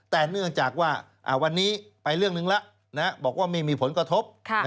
แต่เนื่องจากว่าวันนี้ไปเรื่องหนึ่งแล้วบอกว่าไม่มีผลกระทบ